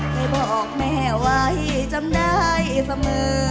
ให้บอกแม่ไว้จำได้เสมอ